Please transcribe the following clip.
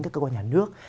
các cơ quan nhà nước